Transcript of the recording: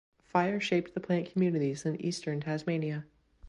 Fire shaped the plant communities in eastern Tasmania.